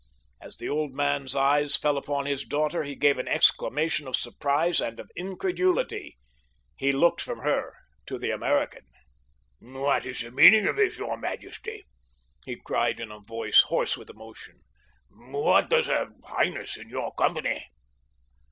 As the old man's eyes fell upon his daughter, he gave an exclamation of surprise and of incredulity. He looked from her to the American. "What is the meaning of this, your majesty?" he cried in a voice hoarse with emotion. "What does her highness in your company?"